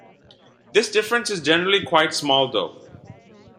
This difference is generally quite small though.